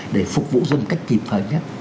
để phục vụ dân cách kịp thời nhất